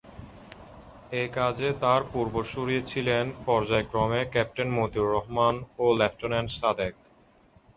এ কাজে তার পূর্বসূরী ছিলেন পর্যায়ক্রমে ক্যাপ্টেন মতিউর রহমান ও লেফটেন্যান্ট সাদেক।